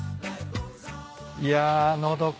いやのどか。